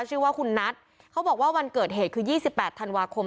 ชื่อว่าคุณนัทเขาบอกว่าวันเกิดเหตุคือ๒๘ธันวาคม